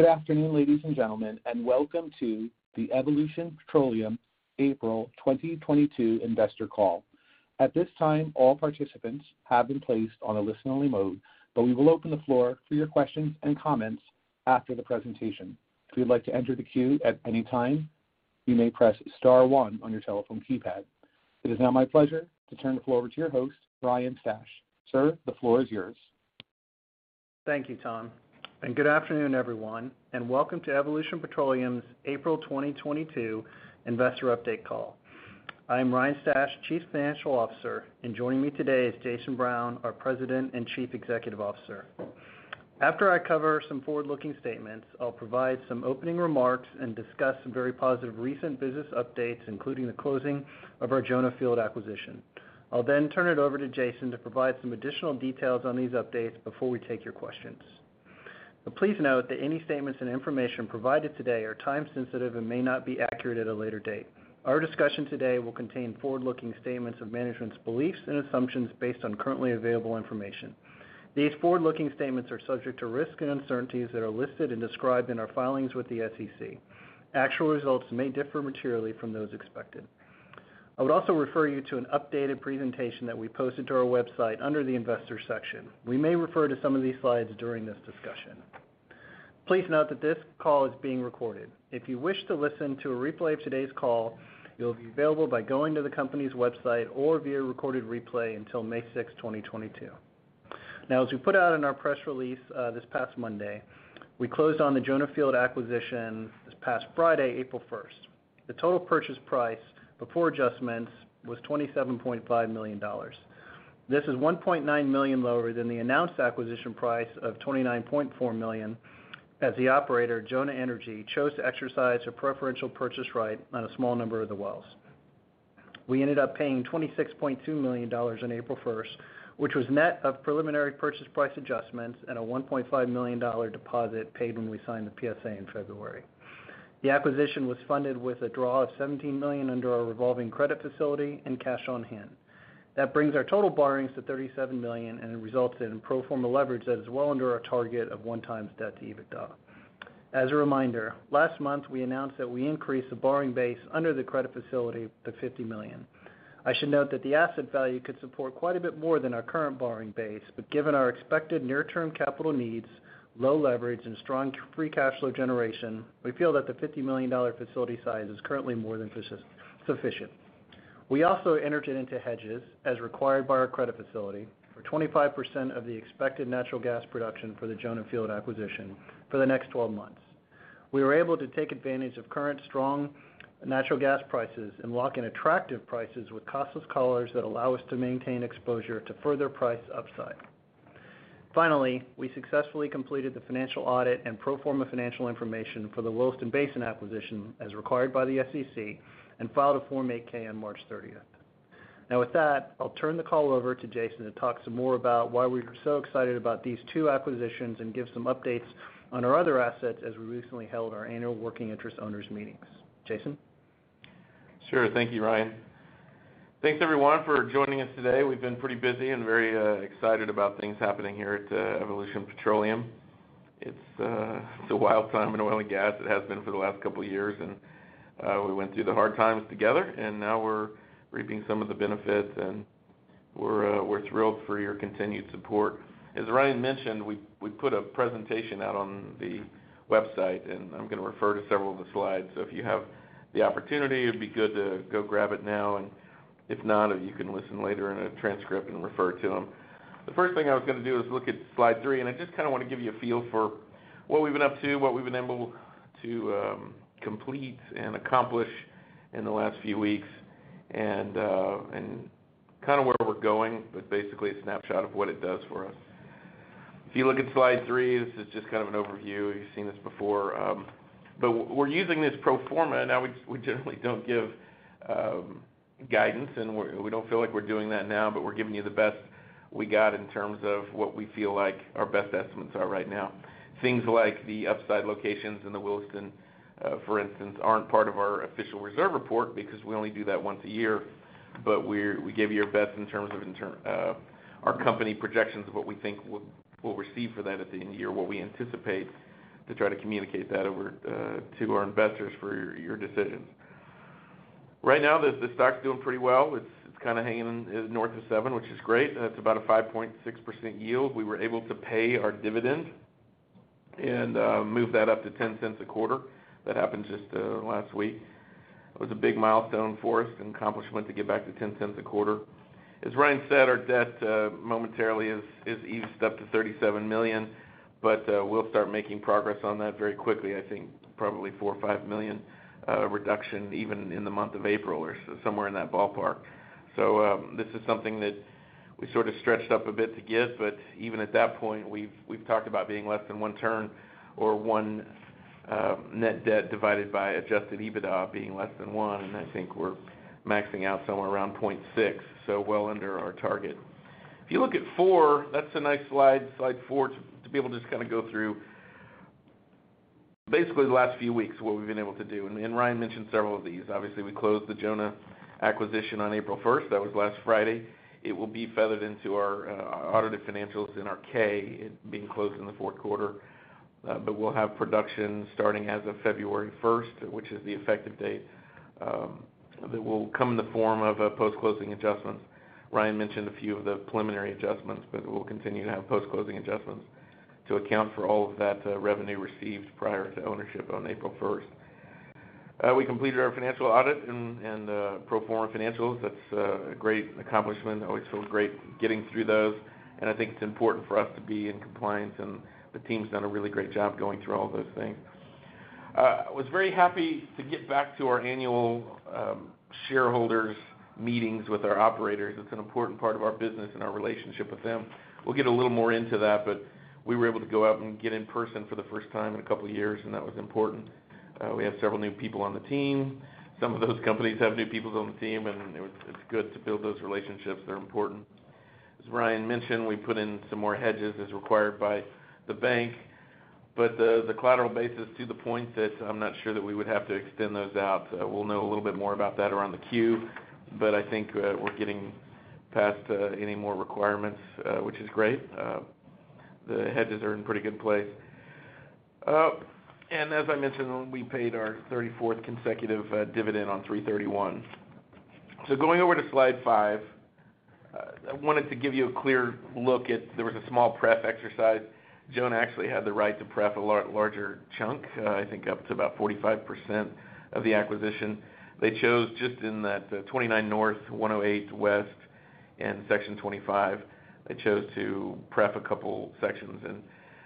Good afternoon, ladies and gentlemen, and welcome to the Evolution Petroleum April 2022 investor call. At this time, all participants have been placed on a listen-only mode, but we will open the floor for your questions and comments after the presentation. If you'd like to enter the queue at any time, you may press star one on your telephone keypad. It is now my pleasure to turn the floor over to your host, Ryan Stash. Sir, the floor is yours. Thank you, Tom, and good afternoon, everyone, and welcome to Evolution Petroleum's April 2022 investor update call. I am Ryan Stash, Chief Financial Officer, and joining me today is Jason Brown, our President and Chief Executive Officer. After I cover some forward-looking statements, I'll provide some opening remarks and discuss some very positive recent business updates, including the closing of our Jonah field acquisition. I'll then turn it over to Jason to provide some additional details on these updates before we take your questions. Please note that any statements and information provided today are time sensitive and may not be accurate at a later date. Our discussion today will contain forward-looking statements of management's beliefs and assumptions based on currently available information. These forward-looking statements are subject to risks and uncertainties that are listed and described in our filings with the SEC. Actual results may differ materially from those expected. I would also refer you to an updated presentation that we posted to our website under the Investors section. We may refer to some of these slides during this discussion. Please note that this call is being recorded. If you wish to listen to a replay of today's call, it will be available by going to the company's website or via recorded replay until May 6, 2022. Now, as we put out in our press release this past Monday, we closed on the Jonah field acquisition this past Friday, April 1st. The total purchase price before adjustments was $27.5 million. This is $1.9 million lower than the announced acquisition price of $29.4 million, as the operator, Jonah Energy, chose to exercise a preferential purchase right on a small number of the wells. We ended up paying $26.2 million on April first, which was net of preliminary purchase price adjustments and a $1.5 million deposit paid when we signed the PSA in February. The acquisition was funded with a draw of $17 million under our revolving credit facility and cash on hand. That brings our total borrowings to $37 million and results in pro forma leverage that is well under our target of 1x debt to EBITDA. As a reminder, last month, we announced that we increased the borrowing base under the credit facility to $50 million. I should note that the asset value could support quite a bit more than our current borrowing base, but given our expected near-term capital needs, low leverage, and strong free cash flow generation, we feel that the $50 million facility size is currently more than sufficient. We also entered into hedges as required by our credit facility for 25% of the expected natural gas production for the Jonah field acquisition for the next 12 months. We were able to take advantage of current strong natural gas prices and lock in attractive prices with costless collars that allow us to maintain exposure to further price upside. Finally, we successfully completed the financial audit and pro forma financial information for the Williston Basin acquisition as required by the SEC and filed a Form 8-K on March thirtieth. Now, with that, I'll turn the call over to Jason to talk some more about why we're so excited about these two acquisitions and give some updates on our other assets as we recently held our annual working interest owners meetings. Jason? Sure. Thank you, Ryan. Thanks, everyone, for joining us today. We've been pretty busy and very excited about things happening here at Evolution Petroleum. It's a wild time in oil and gas. It has been for the last couple years, and we went through the hard times together, and now we're reaping some of the benefits, and we're thrilled for your continued support. As Ryan mentioned, we put a presentation out on the website, and I'm gonna refer to several of the slides. So if you have the opportunity, it'd be good to go grab it now. If not, you can listen later in a transcript and refer to them. The first thing I was gonna do is look at slide three, and I just kinda wanna give you a feel for what we've been up to, what we've been able to complete and accomplish in the last few weeks and kinda where we're going with basically a snapshot of what it does for us. If you look at slide three, this is just kind of an overview. You've seen this before, but we're using this pro forma. Now we generally don't give guidance, and we don't feel like we're doing that now, but we're giving you the best we got in terms of what we feel like our best estimates are right now. Things like the upside locations in the Williston for instance, aren't part of our official reserve report because we only do that once a year. We gave you our best in terms of our company projections of what we think we'll receive for that at the end of the year, what we anticipate to try to communicate that over to our investors for your decisions. Right now, the stock's doing pretty well. It's kinda hanging in north of $7, which is great. That's about a 5.6% yield. We were able to pay our dividend and move that up to $0.10 a quarter. That happened just last week. It was a big milestone for us, an accomplishment to get back to $0.10 a quarter. As Ryan said, our debt momentarily has eased up to $37 million, but we'll start making progress on that very quickly. I think probably $4 million or $5 million reduction even in the month of April or somewhere in that ballpark. This is something that we sort of stretched up a bit to give, but even at that point, we've talked about being less than one turn or one net debt divided by adjusted EBITDA being less than one, and I think we're maxing out somewhere around 0.6, so well under our target. If you look at four, that's a nice slide four, to be able to just kinda go through basically the last few weeks, what we've been able to do. Ryan mentioned several of these. Obviously, we closed the Jonah acquisition on April 1st. That was last Friday. It will be factored into our audited financials in our 10-K, it being closed in the fourth quarter. We'll have production starting as of February first, which is the effective date, that will come in the form of post-closing adjustments. Ryan mentioned a few of the preliminary adjustments, but we'll continue to have post-closing adjustments to account for all of that revenue received prior to ownership on April first. We completed our financial audit and pro forma financials. That's a great accomplishment. Always feels great getting through those, and I think it's important for us to be in compliance, and the team's done a really great job going through all those things. I was very happy to get back to our annual shareholders meetings with our operators. It's an important part of our business and our relationship with them. We'll get a little more into that, but we were able to go out and get in person for the first time in a couple years, and that was important. We had several new people on the team. Some of those companies have new people on the team, and it's good to build those relationships. They're important. As Ryan mentioned, we put in some more hedges as required by the bank, but the collateral base is to the point that I'm not sure that we would have to extend those out. We'll know a little bit more about that around the Q, but I think we're getting past any more requirements, which is great. The hedges are in pretty good place. As I mentioned, we paid our 34th consecutive dividend on 3/31. Going over to slide five, I wanted to give you a clear look at. There was a small pre-emptive exercise. Jonah actually had the right to preempt a larger chunk, I think up to about 45% of the acquisition. They chose just in that, 29 north, 108 west, and section 25. They chose to preempt a couple sections, and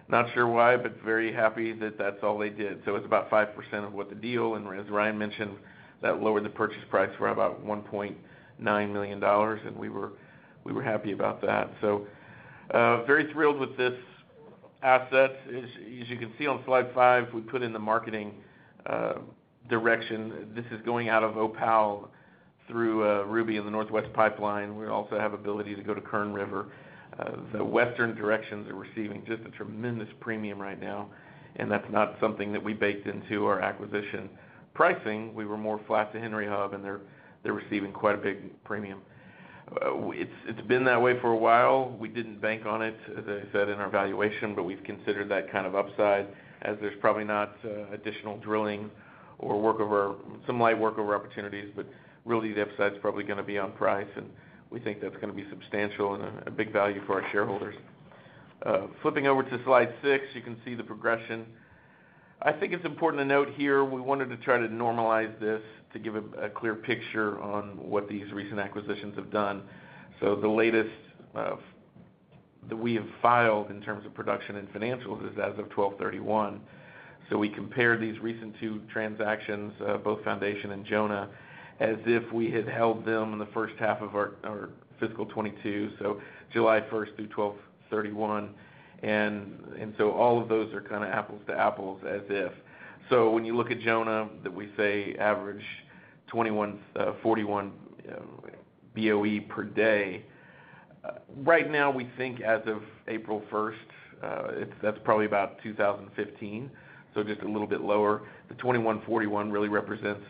not sure why, but very happy that that's all they did. It's about 5% of what the deal, and as Ryan mentioned, that lowered the purchase price by about $1.9 million, and we were happy about that. Very thrilled with this asset. As you can see on slide 5, we put in the marketing direction. This is going out of Opal through Ruby in the Northwest Pipeline. We also have ability to go to Kern River. The western directions are receiving just a tremendous premium right now, and that's not something that we baked into our acquisition pricing. We were more flat to Henry Hub, and they're receiving quite a big premium. It's been that way for a while. We didn't bank on it, as I said, in our valuation, but we've considered that kind of upside as there's probably not additional drilling or workover. Some light workover opportunities, but really, the upside's probably gonna be on price, and we think that's gonna be substantial and a big value for our shareholders. Flipping over to slide six, you can see the progression. I think it's important to note here, we wanted to try to normalize this to give a clear picture on what these recent acquisitions have done. The latest that we have filed in terms of production and financials is as of 12/31. We compare these recent two transactions, both Foundation and Jonah, as if we had held them in the first half of our fiscal 2022, so July 1st through 12/31. All of those are kind of apples to apples as if. When you look at Jonah that we say average 41 BOE per day right now, we think as of April 1, that's probably about 2,015, so just a little bit lower. The 2141 really represents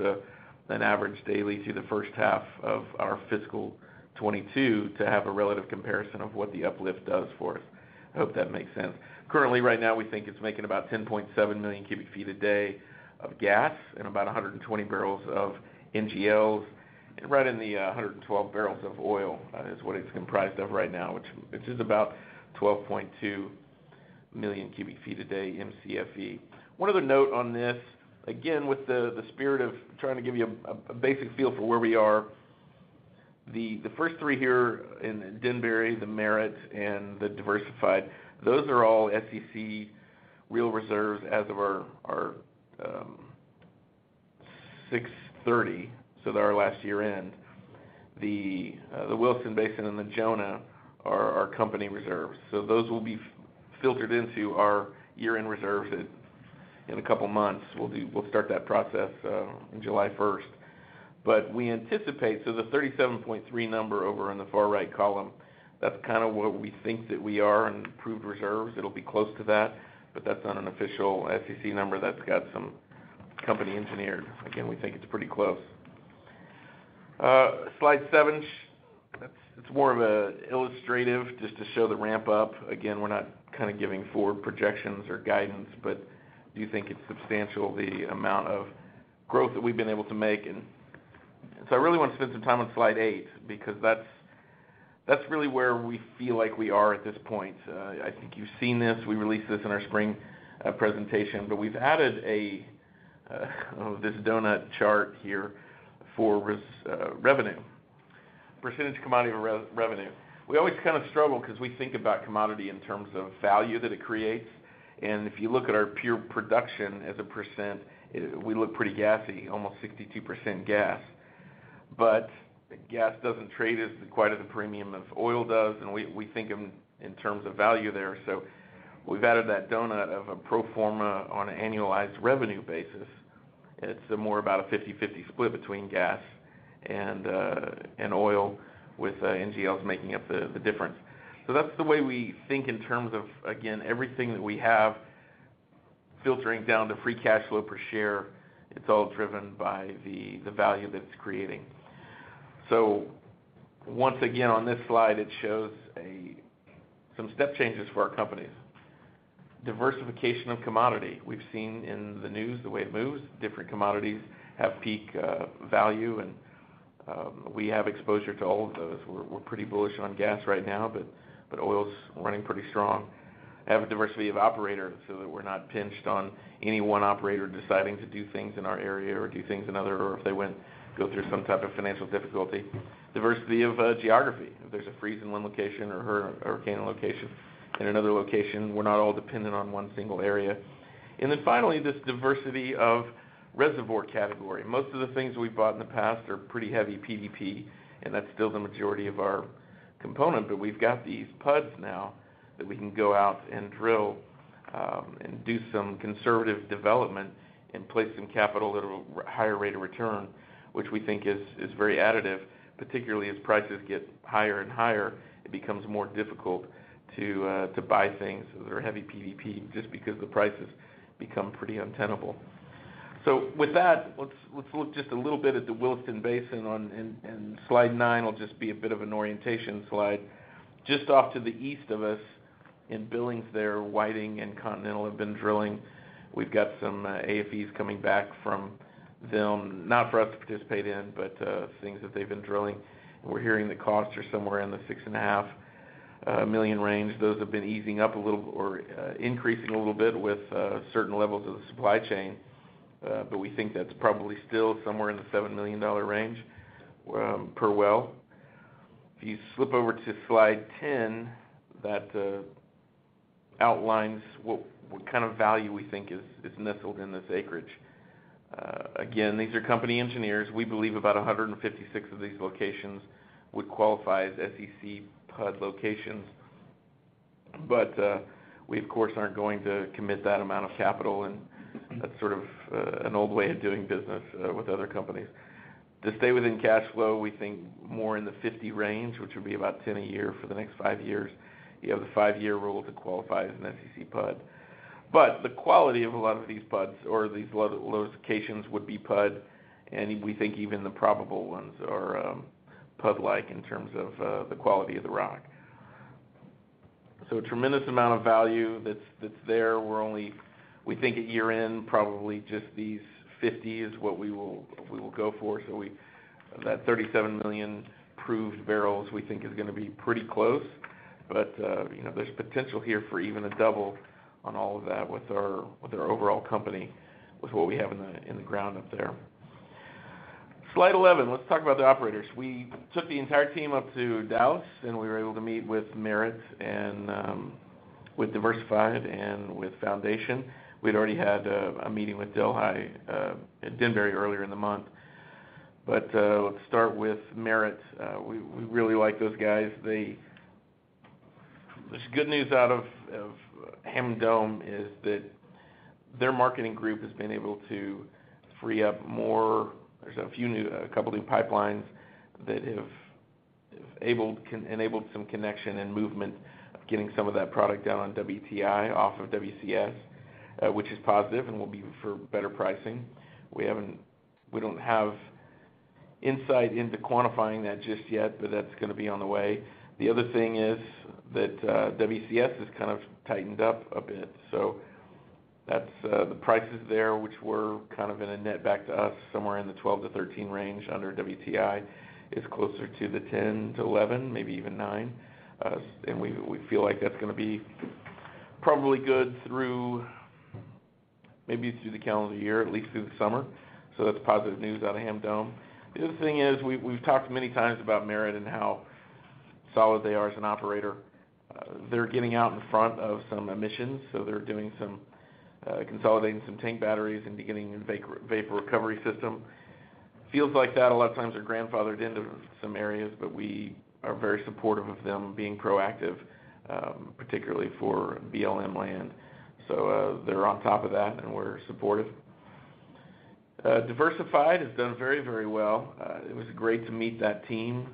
an average daily through the first half of our fiscal 2022 to have a relative comparison of what the uplift does for us. I hope that makes sense. Currently, right now, we think it's making about 10.7 million cubic feet a day of gas and about 120 barrels of NGLs. Right in the 112 barrels of oil is what it's comprised of right now, which is about 12.2 million cubic feet a day Mcfe. One other note on this, again, with the spirit of trying to give you a basic feel for where we are, the first three here in Denbury, the Merit, and the Diversified, those are all SEC real reserves as of our 6/30, so they're our last year-end. The Williston Basin and the Jonah are our company reserves. Those will be factored into our year-end reserves in a couple months. We'll start that process on July first. We anticipate. The 37.3 number over on the far right column, that's kinda what we think that we are in proved reserves. It'll be close to that, but that's not an official SEC number. That's got some company engineered. Again, we think it's pretty close. Slide seven. It's more of an illustrative just to show the ramp up. Again, we're not kinda giving forward projections or guidance, but do think it's substantial, the amount of growth that we've been able to make. I really want to spend some time on slide eight because that's really where we feel like we are at this point. I think you've seen this. We released this in our spring presentation. We've added this donut chart here for revenue percentage commodity revenue. We always kind of struggle 'cause we think about commodity in terms of value that it creates, and if you look at our pure production as a percent, we look pretty gassy, almost 62% gas. Gas doesn't trade as quite as a premium as oil does, and we think in terms of value there. We've added that donut of a pro forma on an annualized revenue basis. It's more about a 50/50 split between gas and oil with NGLs making up the difference. That's the way we think in terms of everything that we have filtering down to free cash flow per share. It's all driven by the value that it's creating. Once again, on this slide, it shows some step changes for our companies. Diversification of commodity, we've seen in the news the way it moves. Different commodities have peak value, and we have exposure to all of those. We're pretty bullish on gas right now, but oil's running pretty strong. Have a diversity of operator so that we're not pinched on any one operator deciding to do things in our area or do things in other, or if they go through some type of financial difficulty. Diversity of geography. If there's a freeze in one location or hurricane location, in another location, we're not all dependent on one single area. Finally, this diversity of reservoir category. Most of the things we've bought in the past are pretty heavy PDP, and that's still the majority of our component. We've got these PUDs now that we can go out and drill and do some conservative development and place some capital at a higher rate of return, which we think is very additive. Particularly as prices get higher and higher, it becomes more difficult to buy things that are heavy PDP just because the prices become pretty untenable. With that, let's look just a little bit at the Williston Basin. Slide nine will just be a bit of an orientation slide. Just off to the east of us in Billings there, Whiting and Continental have been drilling. We've got some AFEs coming back from them, not for us to participate in, but things that they've been drilling. We're hearing the costs are somewhere in the $6.5 million range. Those have been easing up a little or increasing a little bit with certain levels of the supply chain. We think that's probably still somewhere in the $7 million range per well. If you slip over to slide 10, that outlines what kind of value we think is nestled in this acreage. Again, these are company engineers. We believe about 156 of these locations would qualify as SEC PUD locations. We, of course, aren't going to commit that amount of capital, and that's sort of an old way of doing business with other companies. To stay within cash flow, we think more in the 50 range, which would be about 10 a year for the next five years. You have the five year rule to qualify as an SEC PUD. The quality of a lot of these PUDs or these locations would be PUD, and we think even the probable ones are PUD-like in terms of the quality of the rock. A tremendous amount of value that's there. We think at year-end, probably just these 50 is what we will go for. That 37 million proved barrels, we think is gonna be pretty close. You know, there's potential here for even a double on all of that with our overall company, with what we have in the ground up there. Slide 11, let's talk about the operators. We took the entire team up to Dallas, and we were able to meet with Merit and with Diversified and with Foundation. We'd already had a meeting with Delhi at Denbury earlier in the month. Let's start with Merit. We really like those guys. This good news out of Hamilton Dome is that their marketing group has been able to free up more. There's a couple new pipelines that have enabled some connection and movement of getting some of that product down on WTI off of WCS, which is positive and will be for better pricing. We don't have insight into quantifying that just yet, but that's gonna be on the way. The other thing is that WCS has kind of tightened up a bit. That's the prices there, which were kind of in a net back to us somewhere in the $12-$13 range under WTI, is closer to the $10-$11, maybe even $9. We feel like that's gonna be probably good through, maybe through the calendar year, at least through the summer. That's positive news out of Hamilton Dome. The other thing is we've talked many times about Merit and how solid they are as an operator. They're getting out in front of some emissions, so they're doing some consolidating some tank batteries and beginning a vapor recovery system. Feels like that a lot of times they're grandfathered into some areas, but we are very supportive of them being proactive, particularly for BLM land. They're on top of that, and we're supportive. Diversified has done very, very well. It was great to meet that team.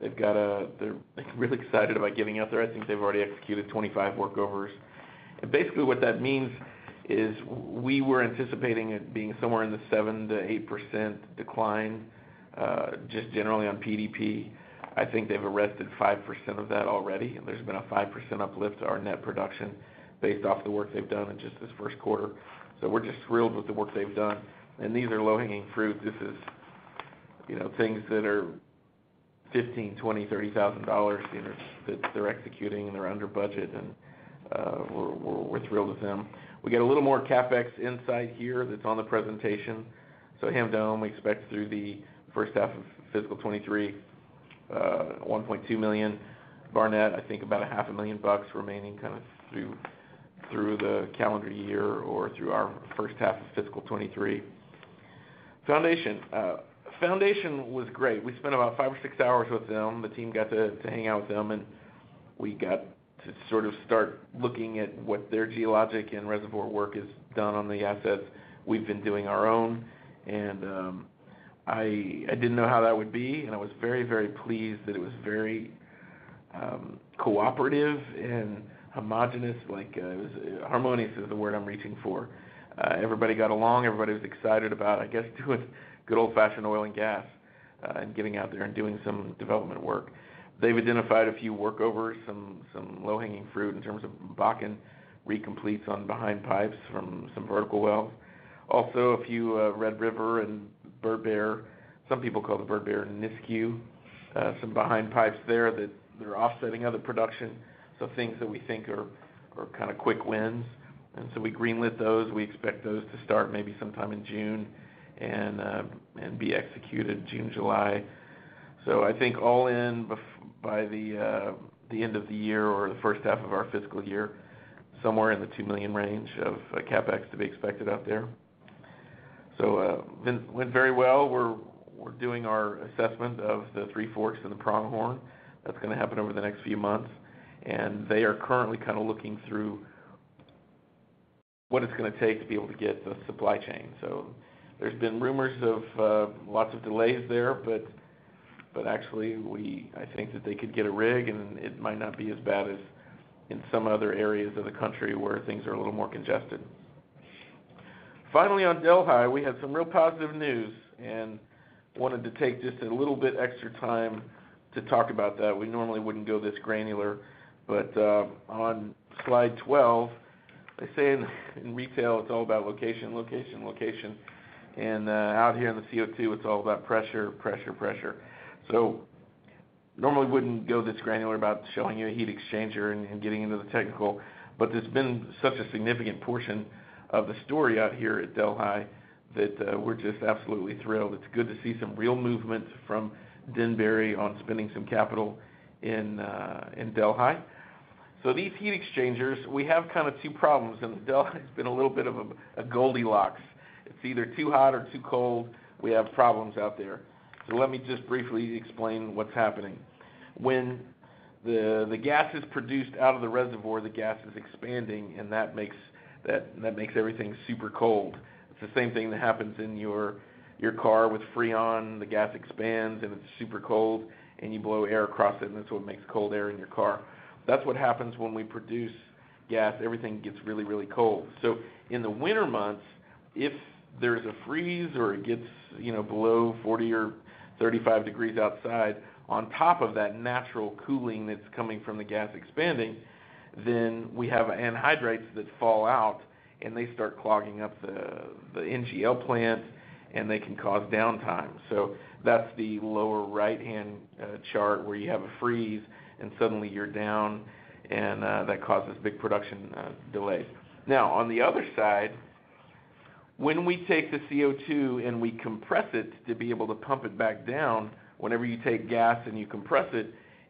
They're really excited about getting out there. I think they've already executed 25 workovers. Basically what that means is we were anticipating it being somewhere in the 7%-8% decline, just generally on PDP. I think they've arrested 5% of that already, and there's been a 5% uplift to our net production based off the work they've done in just this first quarter. We're just thrilled with the work they've done. These are low-hanging fruit. This is, you know, things that are $15,000, $20,000, $30,000 that they're executing, and they're under budget. We're thrilled with them. We get a little more CapEx insight here that's on the presentation. Hamilton Dome, we expect through the first half of FY 2023, $1.2 million. Barnett, I think about half a million bucks remaining kinda through the calendar year or through our first half of FY 2023. Foundation. Foundation was great. We spent about five or six hours with them. The team got to hang out with them, and we got to sort of start looking at what their geologic and reservoir work is done on the assets. We've been doing our own. I didn't know how that would be, and I was very, very pleased that it was very cooperative and homogeneous like harmonious is the word I'm reaching for. Everybody got along, everybody was excited about, I guess, doing good old-fashioned oil and gas, and getting out there and doing some development work. They've identified a few workovers, some low-hanging fruit in terms of Bakken recompletes on behind pipes from some vertical wells. Also, a few Red River and Bird Bear. Some people call the Bird Bear Nisku. Some behind pipes there that they're offsetting other production. Things that we think are kinda quick wins. We greenlit those. We expect those to start maybe sometime in June and be executed June, July. I think all in by the end of the year or the first half of our fiscal year, somewhere in the $2 million range of CapEx to be expected out there. Went very well. We're doing our assessment of the Three Forks and the Pronghorn. That's gonna happen over the next few months. They are currently kinda looking through what it's gonna take to be able to get the supply chain. There's been rumors of lots of delays there, but actually I think that they could get a rig, and it might not be as bad as in some other areas of the country where things are a little more congested. Finally, on Delhi, we have some real positive news and wanted to take just a little bit extra time to talk about that. We normally wouldn't go this granular, but on slide 12, they say in retail it's all about location, location. Out here in the CO2, it's all about pressure, pressure. Normally wouldn't go this granular about showing you a heat exchanger and getting into the technical, but it's been such a significant portion of the story out here at Delhi that we're just absolutely thrilled. It's good to see some real movement from Denbury on spending some capital in Delhi. These heat exchangers, we have kinda two problems, and Delhi's been a little bit of a Goldilocks. It's either too hot or too cold. We have problems out there. Let me just briefly explain what's happening. When the gas is produced out of the reservoir, the gas is expanding, and that makes everything super cold. It's the same thing that happens in your car with Freon. The gas expands, and it's super cold, and you blow air across it, and that's what makes cold air in your car. That's what happens when we produce gas. Everything gets really, really cold. In the winter months, if there's a freeze or it gets, you know, below 40 or 35 degrees outside, on top of that natural cooling that's coming from the gas expanding, then we have hydrates that fall out, and they start clogging up the NGL plant, and they can cause downtime. That's the lower right-hand chart, where you have a freeze and suddenly you're down, and that causes big production delays. Now, on the other side, when we take the CO2 and we compress it to be able to pump it back down, whenever you take gas and you compress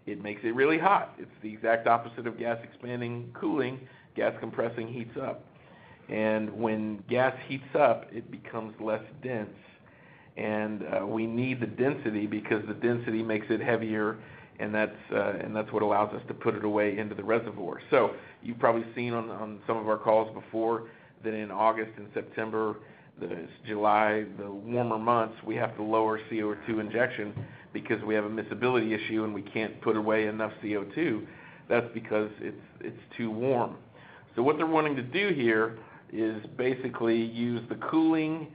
it makes it really hot. It's the exact opposite of gas expanding, cooling. Gas compressing heats up. When gas heats up, it becomes less dense. We need the density because the density makes it heavier, and that's what allows us to put it away into the reservoir. You've probably seen on some of our calls before that in July, August and September, the warmer months, we have to lower CO2 injection because we have a miscibility issue, and we can't put away enough CO2. That's because it's too warm. What they're wanting to do here is basically use the cooling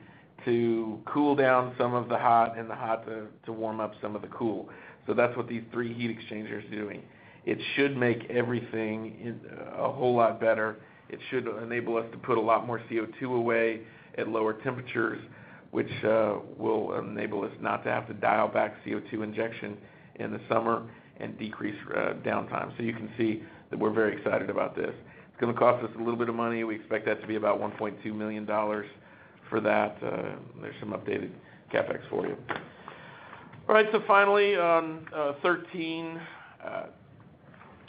to cool down some of the hot and the hot to warm up some of the cool. That's what these three heat exchangers are doing. It should make everything a whole lot better. It should enable us to put a lot more CO2 away at lower temperatures, which will enable us not to have to dial back CO2 injection in the summer and decrease downtime. You can see that we're very excited about this. It's gonna cost us a little bit of money. We expect that to be about $1.2 million for that. There's some updated CapEx for you. All right. Finally, on 13,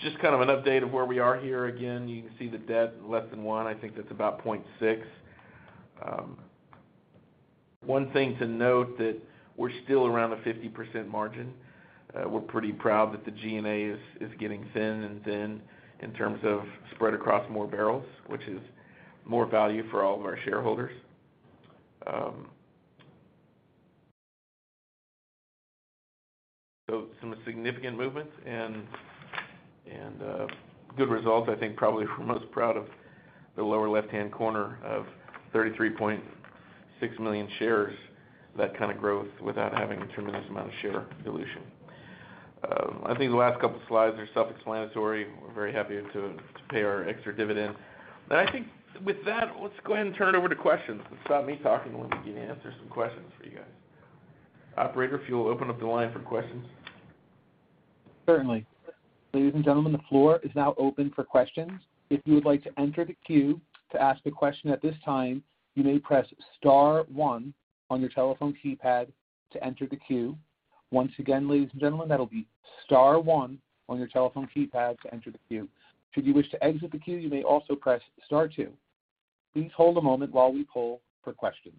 just kind of an update of where we are here. Again, you can see the debt less than one. I think that's about 0.6. One thing to note that we're still around a 50% margin. We're pretty proud that the G&A is getting thin in terms of spread across more barrels, which is more value for all of our shareholders. Some significant movements and good results. I think probably we're most proud of the lower left-hand corner of 33.6 million shares, that kind of growth without having a tremendous amount of share dilution. I think the last couple slides are self-explanatory. We're very happy to pay our extra dividend. I think with that, let's go ahead and turn it over to questions. Let's stop me talking and let me begin to answer some questions for you guys. Operator, if you'll open up the line for questions. Certainly. Ladies and gentlemen, the floor is now open for questions. If you would like to enter the queue to ask a question at this time, you may press star one on your telephone keypad to enter the queue. Once again, ladies and gentlemen, that'll be star one on your telephone keypad to enter the queue. Should you wish to exit the queue, you may also press star two. Please hold a moment while we poll for questions.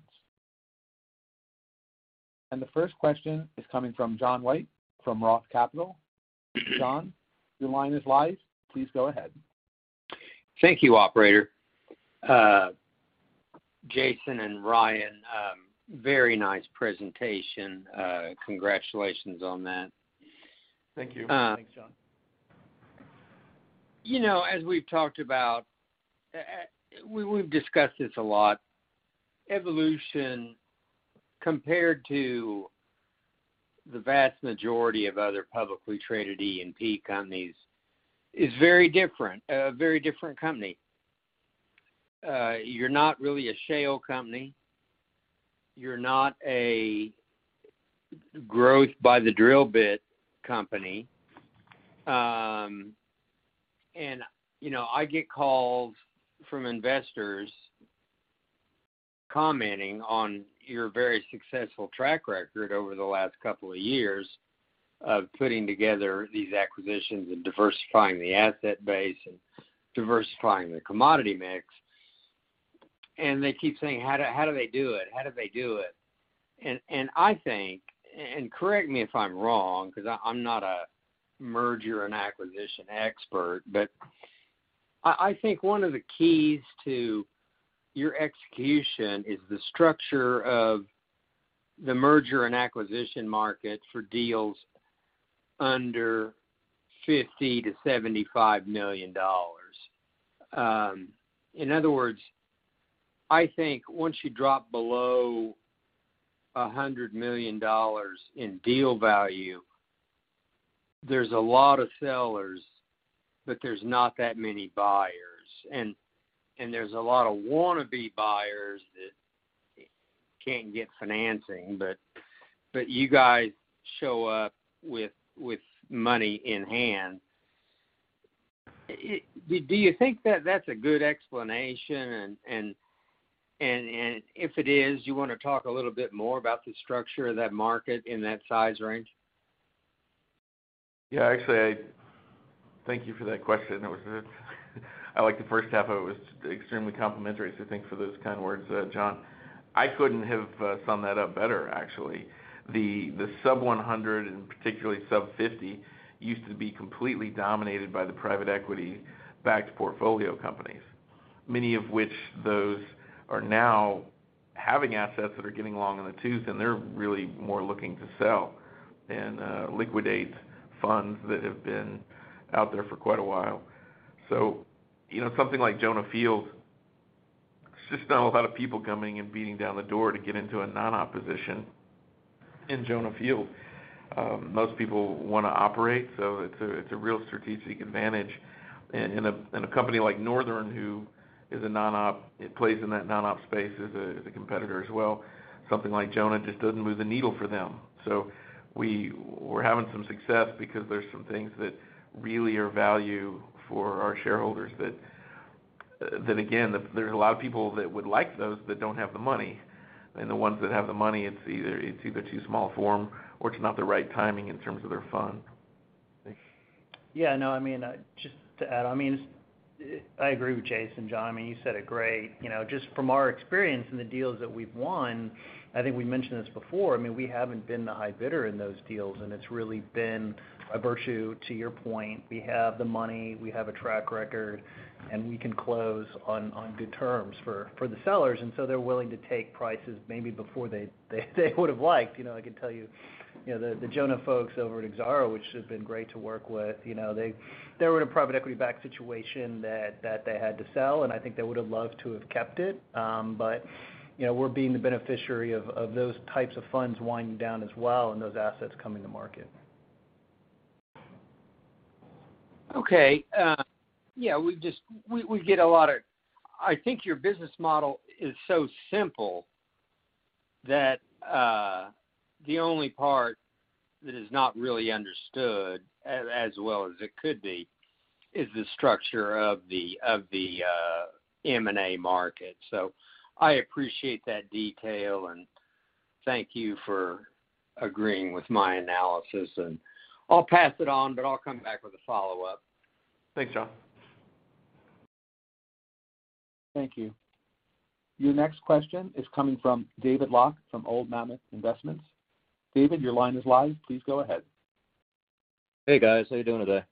The first question is coming from John White from Roth Capital Partners. John, your line is live. Please go ahead. Thank you, operator. Jason and Ryan, very nice presentation. Congratulations on that. Thank you. Uh- Thanks, John. You know, as we've talked about, we've discussed this a lot. Evolution compared to the vast majority of other publicly traded E&P companies is very different, a very different company. You're not really a shale company. You're not a growth by the drill bit company. You know, I get calls from investors commenting on your very successful track record over the last couple of years of putting together these acquisitions and diversifying the asset base and diversifying the commodity mix, and they keep saying, "How do they do it? How do they do it?" I think, and correct me if I'm wrong 'cause I'm not a merger and acquisition expert, but I think one of the keys to your execution is the structure of the merger and acquisition market for deals under $50 million-$75 million. In other words, I think once you drop below $100 million in deal value, there's a lot of sellers, but there's not that many buyers. And there's a lot of wanna-be buyers that can't get financing, but you guys show up with money in hand. Do you think that that's a good explanation? And if it is, you wanna talk a little bit more about the structure of that market in that size range? Yeah. Actually, thank you for that question. It was. I like the first half of it. It was extremely complimentary, so thanks for those kind words, John. I couldn't have summed that up better actually. The sub 100, and particularly sub 50, used to be completely dominated by the private equity-backed portfolio companies, many of which those are now having assets that are getting long in the tooth, and they're really more looking to sell and liquidate funds that have been out there for quite a while. You know, something like Jonah Field, there's just not a lot of people coming and beating down the door to get into a non-op position in Jonah Field. Most people wanna operate, so it's a real strategic advantage. In a company like Northern, who is a non-op, it plays in that non-op space as a competitor as well. Something like Jonah just doesn't move the needle for them. We're having some success because there's some things that really add value for our shareholders that again there's a lot of people that would like those but don't have the money. The ones that have the money, it's either too small for them or it's not the right timing in terms of their fund. Yeah. No, I mean, just to add, I mean, it's. I agree with Jason. John, I mean, you said it great. You know, just from our experience in the deals that we've won, I think we mentioned this before, I mean, we haven't been the high bidder in those deals, and it's really been a virtue, to your point. We have the money, we have a track record, and we can close on good terms for the sellers, and so they're willing to take prices maybe before they would've liked. You know, I can tell you know, the Jonah folks over at Exaro, which has been great to work with, you know, they were in a private equity backed situation that they had to sell, and I think they would've loved to have kept it. You know, we're being the beneficiary of those types of funds winding down as well and those assets coming to market. Okay. Yeah, I think your business model is so simple that the only part that is not really understood as well as it could be is the structure of the M&A market. I appreciate that detail, and thank you for agreeing with my analysis. I'll pass it on, but I'll come back with a follow-up. Thanks, John. Thank you. Your next question is coming from David Locke from Old Mammoth Investments. David, your line is live. Please go ahead. Hey, guys. How you doing today?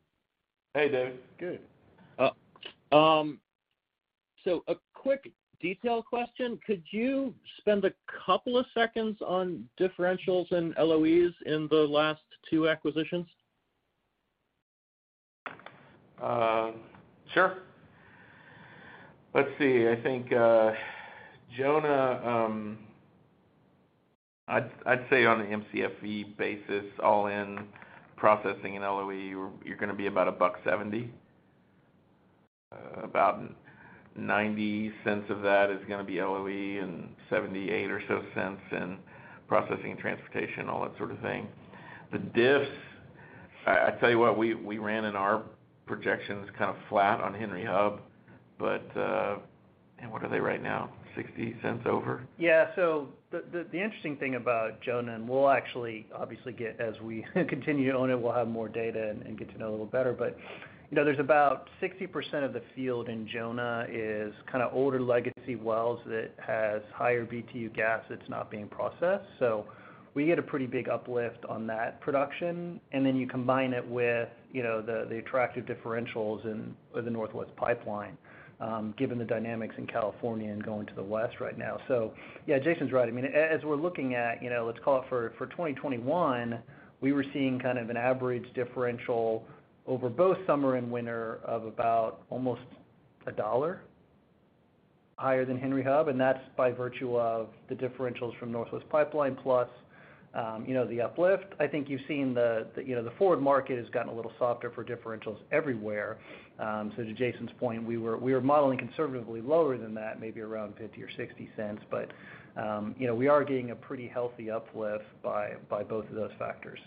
Hey, Dave. Good. A quick detail question. Could you spend a couple of seconds on differentials and LOEs in the last two acquisitions? Sure. Let's see. I think, Jonah, I'd say on the Mcfe basis, all in, processing and LOE, you're gonna be about $1.70. About $0.90 of that is gonna be LOE and 78 cents or so in processing and transportation, all that sort of thing. The diffs, I tell you what, we ran in our projections kind of flat on Henry Hub, but. Man, what are they right now? $0.60 over. Yeah. The interesting thing about Jonah, and we'll actually obviously get as we continue to own it, we'll have more data and get to know a little better. You know, there's about 60% of the field in Jonah is kinda older legacy wells that has higher BTU gas that's not being processed. We get a pretty big uplift on that production, and then you combine it with, you know, the attractive differentials in the Northwest Pipeline, given the dynamics in California and going to the west right now. Yeah, Jason's right. I mean, as we're looking at, you know, let's call it for 2021, we were seeing kind of an average differential over both summer and winter of about almost $1 higher than Henry Hub, and that's by virtue of the differentials from Northwest Pipeline plus the uplift. I think you've seen the forward market has gotten a little softer for differentials everywhere. To Jason's point, we were modeling conservatively lower than that, maybe around $0.50 or $0.60. We are getting a pretty healthy uplift by both of those factors.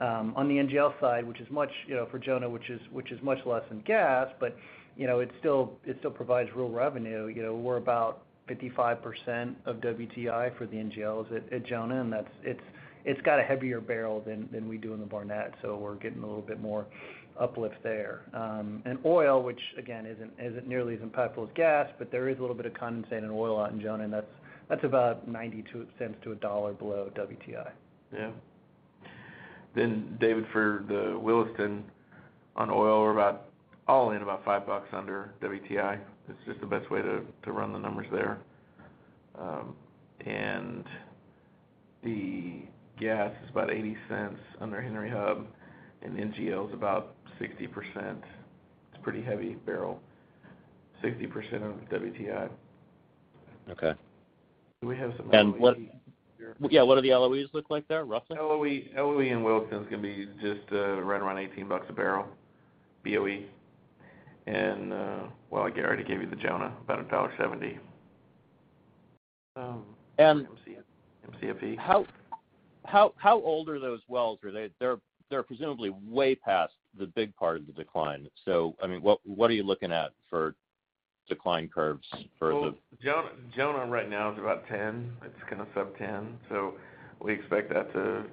On the NGL side, which is much for Jonah, which is much less than gas, but it still provides real revenue. You know, we're about 55% of WTI for the NGLs at Jonah, and that's, it's got a heavier barrel than we do in the Barnett, so we're getting a little bit more uplift there. Oil, which again isn't nearly as impactful as gas, but there is a little bit of condensate and oil out in Jonah, and that's about $0.92-$1 below WTI. Yeah. David Locke, for the Williston on oil, we're about all in about $5 under WTI. It's just the best way to run the numbers there. The gas is about $0.80 under Henry Hub, and NGL is about 60%. It's a pretty heavy barrel, 60% of WTI. Okay. Do we have some LOE? What do the LOEs look like there, roughly? LOE in Williston is gonna be just right around $18 a barrel, BOE. Well, I already gave you the Jonah, about $1.70. Um, and- MCF. How old are those wells? Are they presumably way past the big part of the decline? I mean, what are you looking at for decline curves for the- Well, Jonah right now is about 10%. It's gonna sub 10%. We expect that to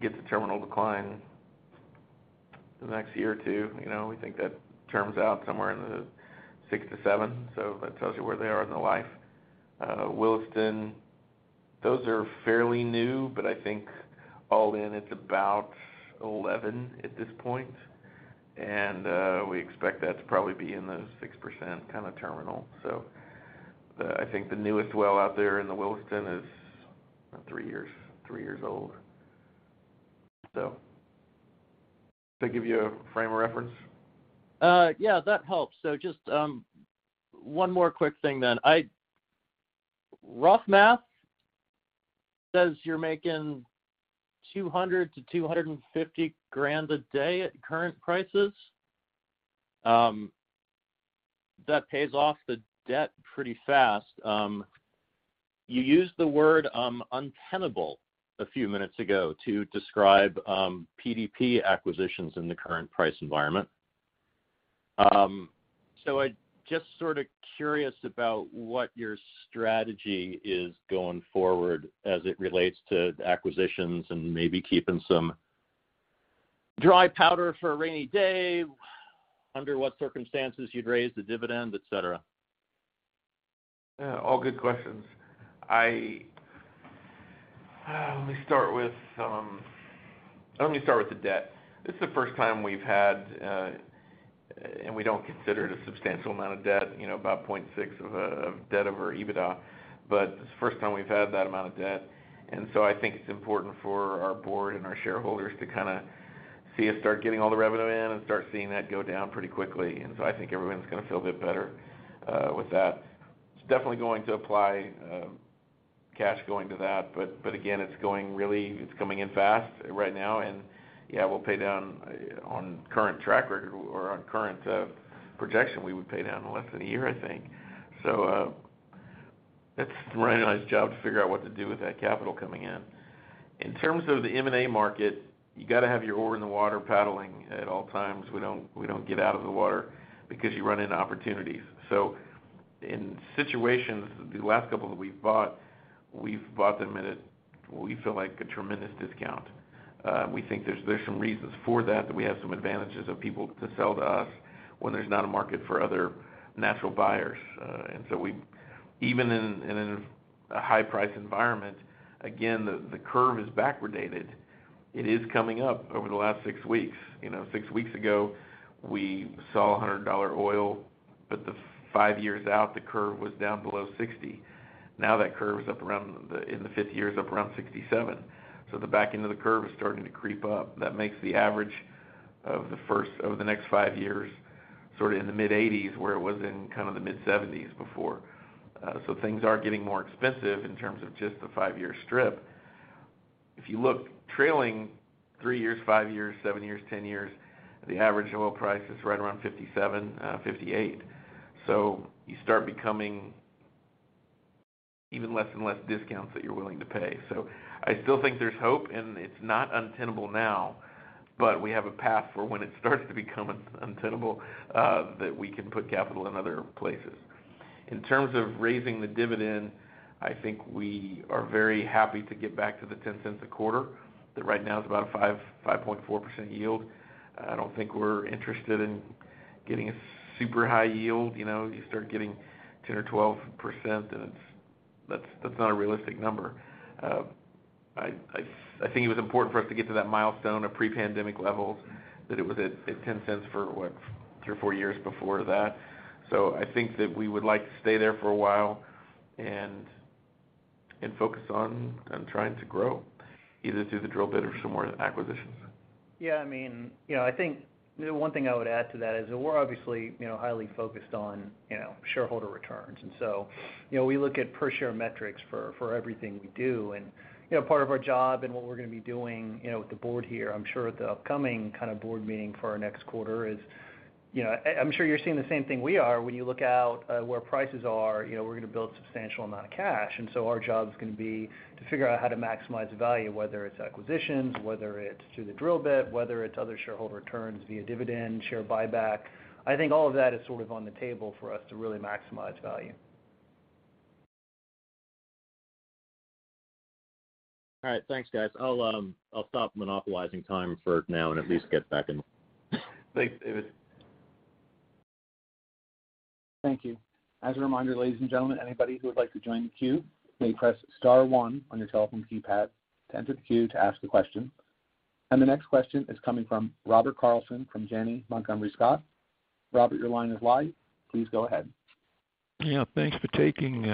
get to terminal decline in the next year or two. You know, we think that terms out somewhere in the 6-7%, so that tells you where they are in their life. Williston, those are fairly new, but I think all in it's about 11% at this point. We expect that to probably be in the 6% kind of terminal. The newest well out there in the Williston is about 3 years old. Does that give you a frame of reference? Yeah, that helps. Just one more quick thing then. Rough math says you're making $200,000-$250,000 a day at current prices. That pays off the debt pretty fast. You used the word untenable a few minutes ago to describe PDP acquisitions in the current price environment. I'm just sorta curious about what your strategy is going forward as it relates to acquisitions and maybe keeping some dry powder for a rainy day, under what circumstances you'd raise the dividend, et cetera. Yeah. All good questions. Let me start with the debt. This is the first time we've had, and we don't consider it a substantial amount of debt, you know, about 0.6 of debt over EBITDA. But it's the first time we've had that amount of debt. I think it's important for our board and our shareholders to kinda see us start getting all the revenue in and start seeing that go down pretty quickly. I think everyone's gonna feel a bit better with that. It's definitely going to apply cash going to that. But again, it's coming in fast right now. Yeah, we'll pay down on current track or on current projection, we would pay down in less than a year, I think. That's Ryan and I's job to figure out what to do with that capital coming in. In terms of the M&A market, you gotta have your oar in the water paddling at all times. We don't get out of the water because you run into opportunities. In situations, the last couple that we've bought, we've bought them in at what we feel like a tremendous discount. We think there's some reasons for that we have some advantages of people to sell to us when there's not a market for other natural buyers. Even in a high price environment, again, the curve is backwardated. It is coming up over the last six weeks. You know, six weeks ago, we saw $100 oil, but five years out, the curve was down below $60. Now that curve is up around the, in the fifth year is up around 67. The back end of the curve is starting to creep up. That makes the average over the next five years, sort of in the mid-80s where it was in kind of the mid-70s before. Things are getting more expensive in terms of just the five-year strip. If you look trailing three years, five years, seven years, 10 years, the average oil price is right around $57, $58. You start becoming even less and less discounts that you're willing to pay. I still think there's hope, and it's not untenable now, but we have a path for when it starts to become untenable, that we can put capital in other places. In terms of raising the dividend, I think we are very happy to get back to the $0.10 a quarter. That right now is about a 5.4% yield. I don't think we're interested in getting a super high yield. You know, you start getting 10% or 12% and that's not a realistic number. I think it was important for us to get to that milestone of pre-pandemic levels, that it was at $0.10 for, what, three or four years before that. I think that we would like to stay there for a while and focus on trying to grow either through the drill bit or some more acquisitions. Yeah, I mean, you know, I think, you know, one thing I would add to that is that we're obviously, you know, highly focused on, you know, shareholder returns. You know, we look at per share metrics for everything we do. You know, part of our job and what we're gonna be doing, you know, with the board here, I'm sure at the upcoming kind of board meeting for our next quarter is you know, I'm sure you're seeing the same thing we are when you look out where prices are, you know, we're gonna build substantial amount of cash, and so our job is gonna be to figure out how to maximize value, whether it's acquisitions, whether it's through the drill bit, whether it's other shareholder returns via dividend, share buyback. I think all of that is sort of on the table for us to really maximize value. All right. Thanks, guys. I'll stop monopolizing time for now and at least get back in. Thanks, David. Thank you. As a reminder, ladies and gentlemen, anybody who would like to join the queue may press star one on your telephone keypad to enter the queue to ask a question. The next question is coming from Robert Carlson from Janney Montgomery Scott. Robert, your line is live. Please go ahead. Yeah, thanks for taking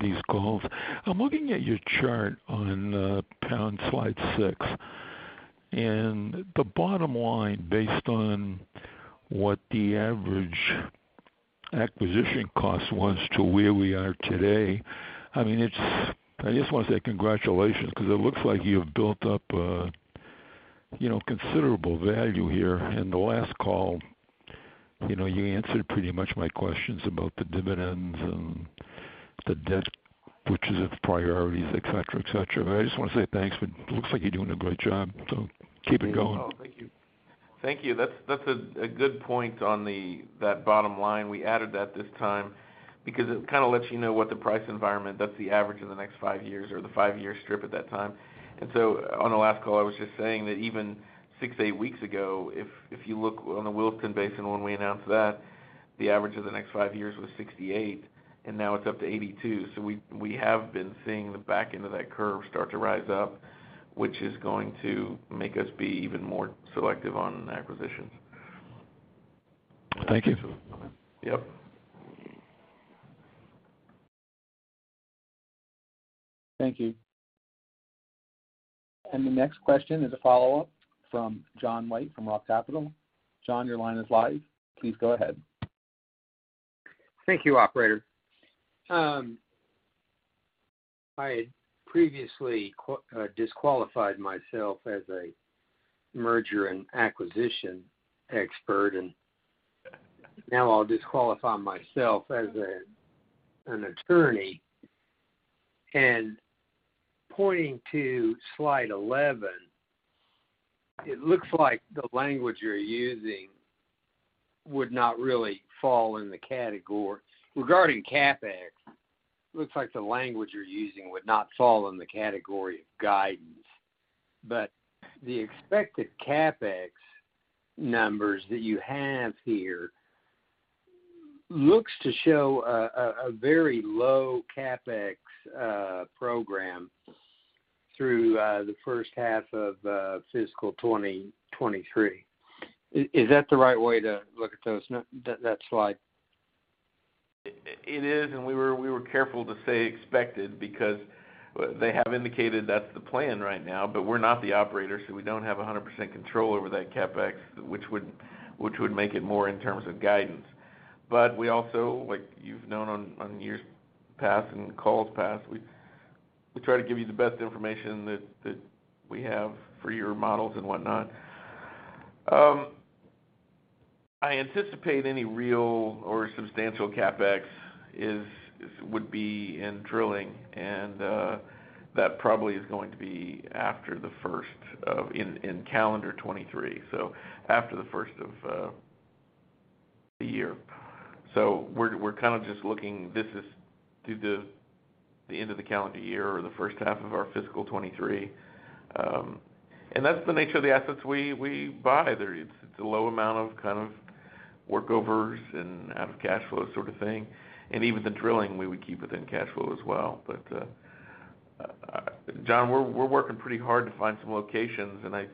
these calls. I'm looking at your chart on slide six. The bottom line, based on what the average acquisition cost was to where we are today, I mean, I just wanna say congratulations 'cause it looks like you've built up, you know, considerable value here. In the last call, you know, you answered pretty much my questions about the dividends and the debt, which is its priorities, et cetera, et cetera. I just wanna say thanks. Looks like you're doing a great job, so keep it going. Oh, thank you. That's a good point on that bottom line. We added that this time because it kinda lets you know what the price environment, that's the average of the next five years or the five-year strip at that time. On the last call, I was just saying that even six, eight weeks ago, if you look on the Williston Basin when we announced that, the average of the next five years was $68, and now it's up to $82. We have been seeing the back end of that curve start to rise up, which is going to make us be even more selective on acquisitions. Thank you. Yep. Thank you. The next question is a follow-up from John White from Roth Capital. John, your line is live. Please go ahead. Thank you, operator. I previously disqualified myself as a merger and acquisition expert, and now I'll disqualify myself as an attorney. Pointing to slide 11, it looks like the language you're using would not really fall in the category. Regarding CapEx, it looks like the language you're using would not really fall in the category of guidance, but the expected CapEx numbers that you have here looks to show a very low CapEx program through the first half of fiscal 2023. Is that the right way to look at that slide? It is, and we were careful to say expected because they have indicated that's the plan right now. We're not the operator, so we don't have 100% control over that CapEx, which would make it more in terms of guidance. We also, like you've known on years past and calls past, we try to give you the best information that we have for your models and whatnot. I anticipate any real or substantial CapEx would be in drilling, and that probably is going to be after the first of in calendar 2023, so after the first of the year. We're kind of just looking, this is due to the end of the calendar year or the first half of our fiscal 2023. That's the nature of the assets we buy. It's a low amount of kind of workovers and out-of-cash flow sort of thing. Even the drilling, we would keep within cash flow as well. John, we're working pretty hard to find some locations, and I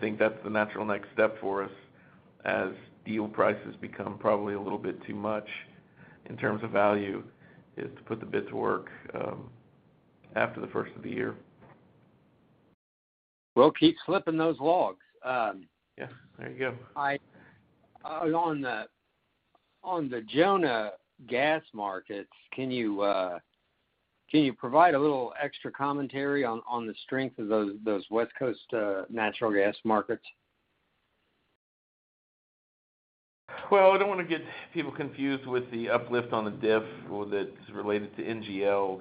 think that's the natural next step for us as deal prices become probably a little bit too much in terms of value, is to put the bit to work after the first of the year. Well, keep flipping those logs. Yeah. There you go. On the Jonah gas markets, can you provide a little extra commentary on the strength of those West Coast natural gas markets? Well, I don't wanna get people confused with the uplift on the diff or that's related to NGLs.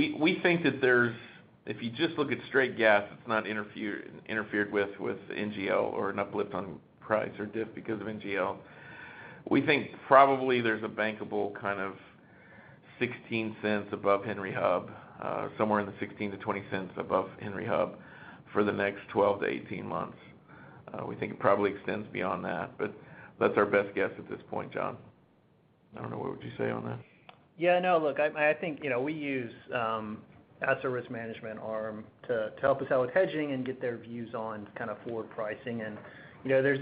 We think that there's if you just look at straight gas, it's not interfered with NGL or an uplift on price or diff because of NGL. We think probably there's a bankable kind of $0.16 above Henry Hub, somewhere in the $0.16-$0.20 above Henry Hub for the next 12-18 months. We think it probably extends beyond that, but that's our best guess at this point, John. What would you say on that? Yeah, no, look, I think, you know, we use as a risk management arm to help us out with hedging and get their views on kind of forward pricing. You know, there's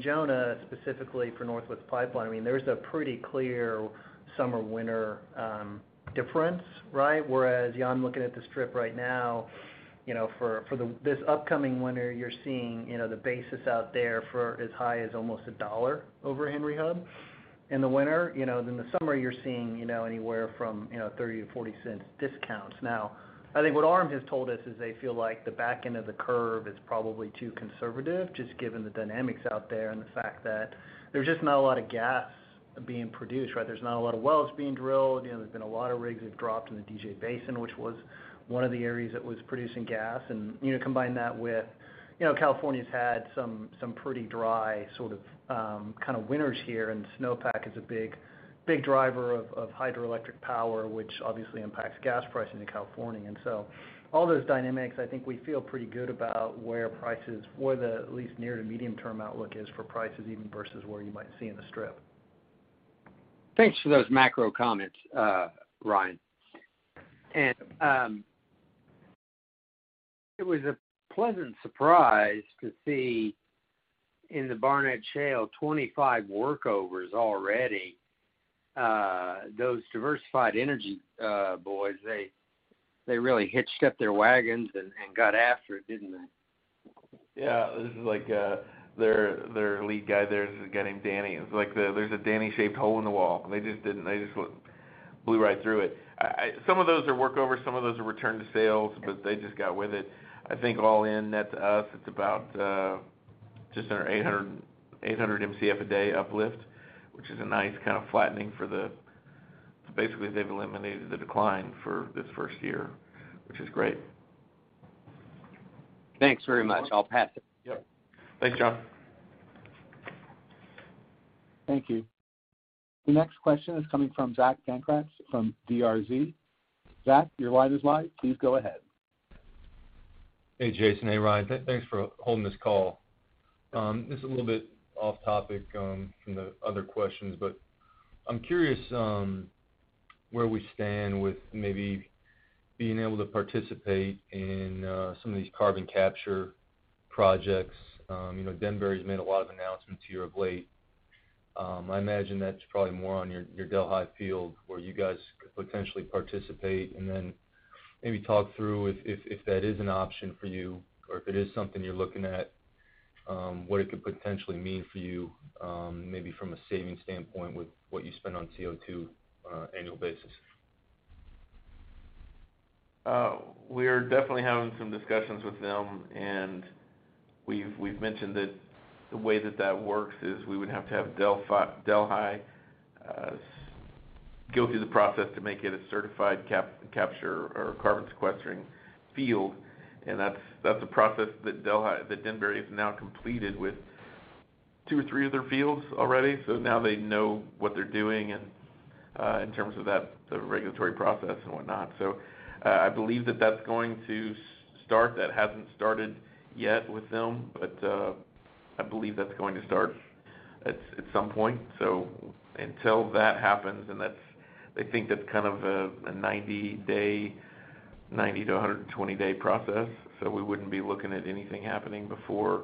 Jonah specifically for Northwest Pipeline, I mean, there's a pretty clear summer/winter difference, right? Whereas, you know, I'm looking at the strip right now, you know, for this upcoming winter, you're seeing, you know, the basis out there for as high as almost $1 over Henry Hub in the winter. You know, in the summer, you're seeing, you know, anywhere from $0.30-$0.40 discounts. Now, I think what ARM has told us is they feel like the back end of the curve is probably too conservative, just given the dynamics out there and the fact that there's just not a lot of gas being produced, right? There's not a lot of wells being drilled. You know, there's been a lot of rigs have dropped in the DJ Basin, which was one of the areas that was producing gas. You know, combine that with, you know, California's had some pretty dry sort of kind of winters here, and snowpack is a big driver of hydroelectric power, which obviously impacts gas pricing in California. All those dynamics, I think we feel pretty good about where the at least near to medium-term outlook is for prices even versus where you might see in the strip. Thanks for those macro comments, Ryan. It was a pleasant surprise to see in the Barnett Shale, 25 workovers already. Those Diversified Energy boys, they really hitched up their wagons and got after it, didn't they? Yeah. This is like their lead guy there is a guy named Danny. There's a Danny-shaped hole in the wall, and they just didn't. They just went, blew right through it. Some of those are workovers, some of those are return to sales, but they just got with it. I think all in, net to us, it's about just our 800 Mcf a day uplift, which is a nice kind of flattening for the. Basically, they've eliminated the decline for this first year, which is great. Thanks very much. I'll pass it. Yep. Thanks, John. Thank you. The next question is coming from Zach Dankrats from DRZ. Zach, your line is live. Please go ahead. Hey, Jason. Hey, Ryan. Thanks for holding this call. This is a little bit off topic from the other questions, but I'm curious where we stand with maybe being able to participate in some of these carbon capture projects. You know, Denbury's made a lot of announcements here of late. I imagine that's probably more on your Delhi field where you guys could potentially participate. Then maybe talk through if that is an option for you or if it is something you're looking at, what it could potentially mean for you, maybe from a savings standpoint with what you spend on CO2 on annual basis. We are definitely having some discussions with them, and we've mentioned that the way that that works is we would have to have Denbury go through the process to make it a certified carbon capture or carbon sequestering field. That's a process that Denbury has now completed with two or three of their fields already. Now they know what they're doing and in terms of that, the regulatory process and whatnot. I believe that that's going to start. That hasn't started yet with them, but I believe that's going to start at some point. Until that happens, and that's, they think that's kind of a 90 to 120 day process, so we wouldn't be looking at anything happening before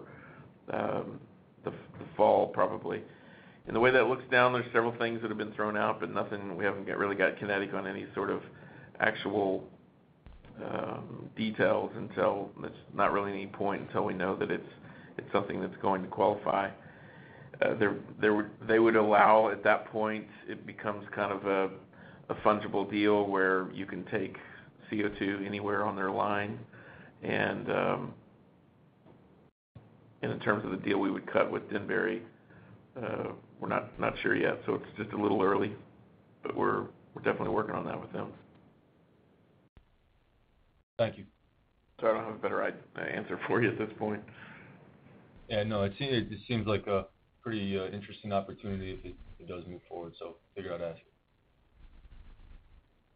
the fall, probably. The way that looks down, there are several things that have been thrown out, but nothing. We haven't really got kinetic on any sort of actual details until. There's not really any point until we know that it's something that's going to qualify. They would allow at that point, it becomes kind of a fungible deal where you can take CO2 anywhere on their line. In terms of the deal we would cut with Denbury, we're not sure yet. It's just a little early, but we're definitely working on that with them. Thank you. Sorry, I don't have a better answer for you at this point. Yeah, no, it seems like a pretty interesting opportunity if it does move forward. Figure I'd ask.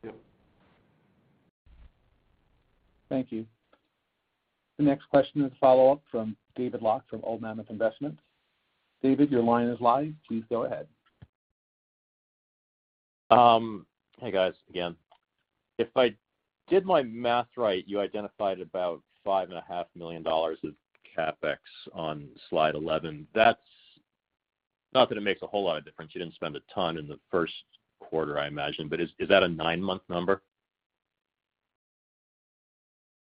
Yep. Thank you. The next question is follow-up from David Locke from Old Mammoth Investments. David, your line is live. Please go ahead. Hey, guys, again. If I did my math right, you identified about five and a half million dollars of CapEx on slide 11. That's not that it makes a whole lot of difference. You didn't spend a ton in the first quarter, I imagine. Is that a nine month number?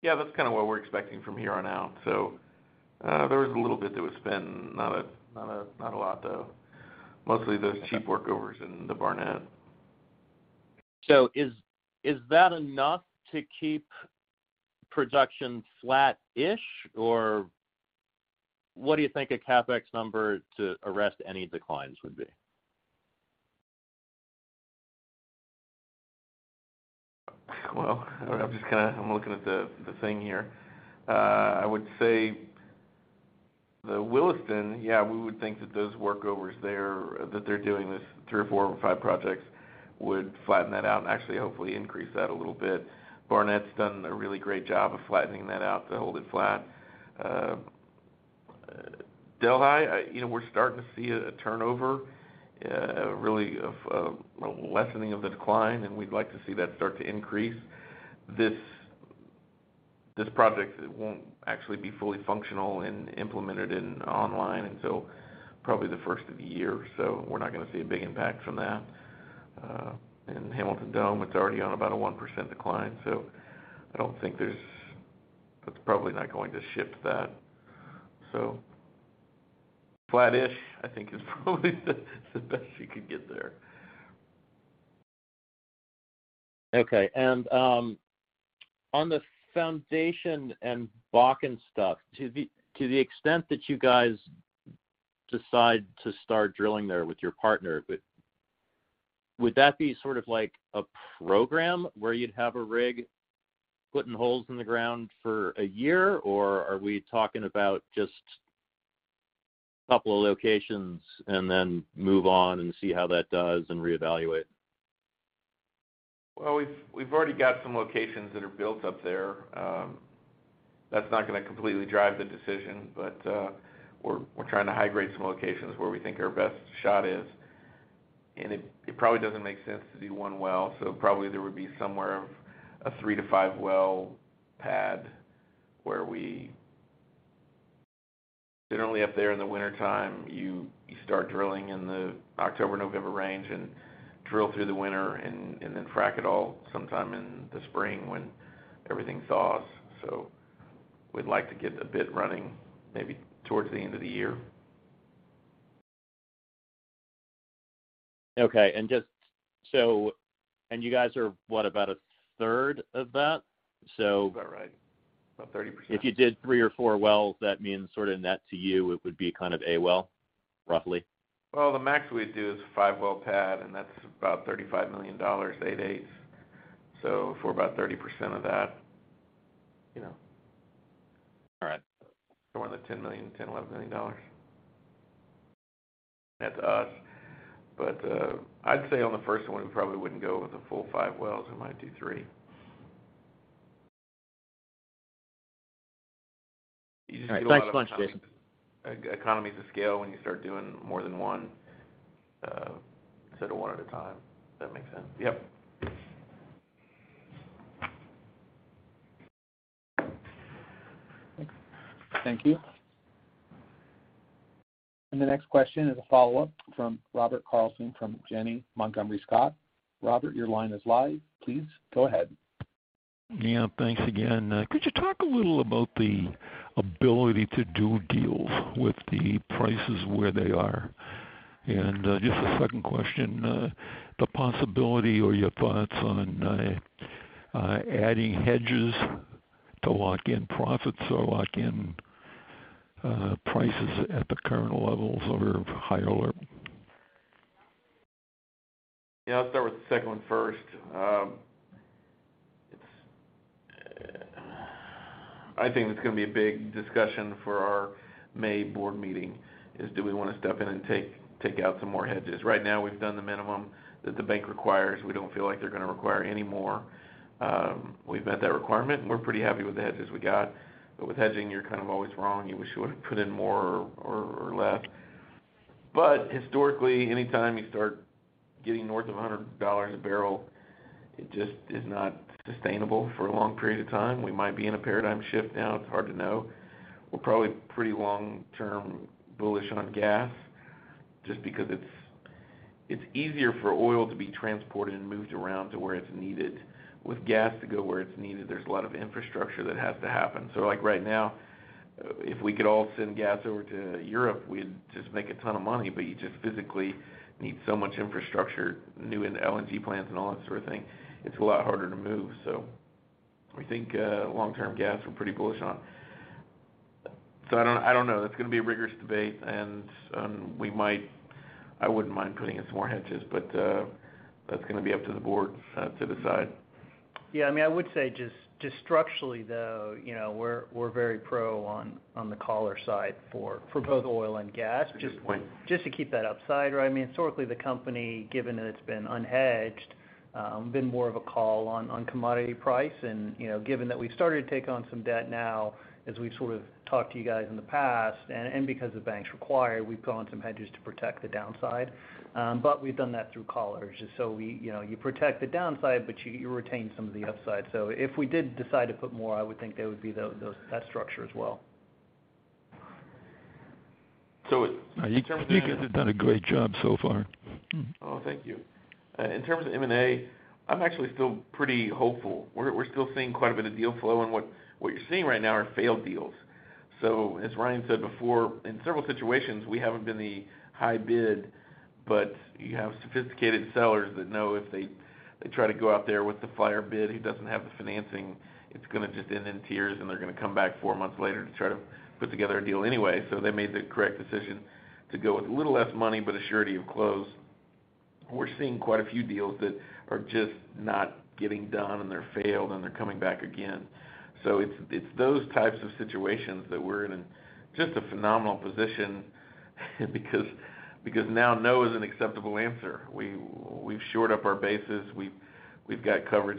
Yeah, that's kinda what we're expecting from here on out. There was a little bit that was spent. Not a lot, though. Mostly those cheap workovers in the Barnett. Is that enough to keep production flat-ish? Or what do you think a CapEx number to arrest any declines would be? Well, I'm just kinda looking at the thing here. I would say the Williston, yeah, we would think that those workovers there, that they're doing these three or four or five projects would flatten that out and actually hopefully increase that a little bit. Barnett's done a really great job of flattening that out to hold it flat. Delhi, you know, we're starting to see a turnover really of a lessening of the decline, and we'd like to see that start to increase. This project won't actually be fully functional and implemented online until probably the first of the year, so we're not gonna see a big impact from that. In Hamilton Dome, it's already on about a 1% decline, so I don't think it's probably going to shift that. Flattish, I think is probably the best you could get there. Okay. On the Foundation and Bakken stuff, to the extent that you guys decide to start drilling there with your partner, but would that be sort of like a program where you'd have a rig putting holes in the ground for a year? Or are we talking about just couple of locations and then move on and see how that does and reevaluate? Well, we've already got some locations that are built up there. That's not gonna completely drive the decision, but we're trying to high-grade some locations where we think our best shot is. It probably doesn't make sense to do one well, so probably there would be somewhere of a three to five well pad. Generally up there in the wintertime, you start drilling in the October-November range and drill through the winter and then frack it all sometime in the spring when everything thaws. We'd like to get a rig running maybe towards the end of the year. Okay. You guys are what? About a third of that? About right. About 30%. If you did three or four wells, that means sorta net to you, it would be kind of a well, roughly? Well, the max we'd do is a five well pad, and that's about $35 million eight eighths. For about 30% of that, you know. All right. Somewhere in the $10 million-$11 million. That's us. But, I'd say on the first one, we probably wouldn't go with the full five wells. We might do three. All right. Thanks much, Jason. Economies of scale when you start doing more than one, instead of one at a time. Does that make sense? Yep. Thank you. The next question is a follow-up from Robert Carlson, from Janney Montgomery Scott. Robert, your line is live. Please go ahead. Yeah. Thanks again. Could you talk a little about the ability to do deals with the prices where they are? Just a second question, the possibility or your thoughts on adding hedges to lock in profits or lock in prices at the current levels over higher or. Yeah. I'll start with the second one first. I think it's gonna be a big discussion for our May board meeting, do we wanna step in and take out some more hedges? Right now, we've done the minimum that the bank requires. We don't feel like they're gonna require any more. We've met that requirement, and we're pretty happy with the hedges we got. With hedging, you're kind of always wrong. You wish you would've put in more or less. Historically, anytime you start getting north of $100 a barrel, it just is not sustainable for a long period of time. We might be in a paradigm shift now. It's hard to know. We're probably pretty long-term bullish on gas just because it's easier for oil to be transported and moved around to where it's needed. With gas to go where it's needed, there's a lot of infrastructure that has to happen. Like right now, if we could all send gas over to Europe, we'd just make a ton of money, but you just physically need so much infrastructure, new LNG plants and all that sort of thing. It's a lot harder to move. We think long-term gas, we're pretty bullish on. I don't know. That's gonna be a rigorous debate, and we might. I wouldn't mind putting in some more hedges, but that's gonna be up to the board to decide. Yeah. I mean, I would say just structurally, though, you know, we're very pro on the collar side for both oil and gas. Good point. Just to keep that upside, right? I mean, historically, the company, given that it's been unhedged, been more of a call on commodity price and, you know, given that we've started to take on some debt now as we've sort of talked to you guys in the past, and because the banks require, we've gone some hedges to protect the downside. But we've done that through collars. You know, you protect the downside, but you retain some of the upside. So if we did decide to put more, I would think that would be those, that structure as well. In terms of You guys have done a great job so far. Oh, thank you. In terms of M&A, I'm actually still pretty hopeful. We're still seeing quite a bit of deal flow and what you're seeing right now are failed deals. As Ryan said before, in several situations, we haven't been the high bid, but you have sophisticated sellers that know if they try to go out there with the high bid, he doesn't have the financing, it's gonna just end in tears, and they're gonna come back four months later to try to put together a deal anyway. They made the correct decision to go with a little less money, but a surety of close. We're seeing quite a few deals that are just not getting done, and they're failed, and they're coming back again. It's those types of situations that we're in just a phenomenal position. Now no is an acceptable answer. We've shored up our bases. We've spread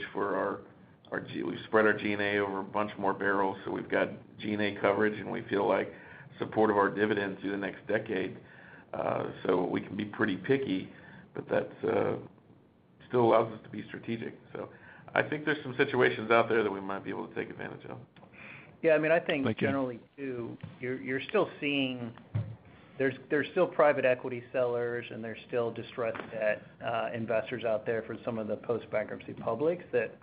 our G&A over a bunch more barrels, so we've got G&A coverage, and we feel like support of our dividends through the next decade, so we can be pretty picky. That still allows us to be strategic. I think there's some situations out there that we might be able to take advantage of. Yeah, I mean, I think. Thank you. Generally too, you're still seeing there's still private equity sellers, and there's still distressed debt investors out there for some of the post-bankruptcy publics that,